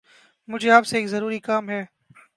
مجھے آپ سے ایک ضروری کام ہے